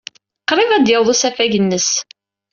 Qrib ad d-yaweḍ usafag-nnes?